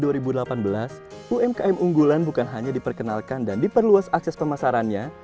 pada tahun unggulan bukan hanya diperkenalkan dan diperluas akses pemasarannya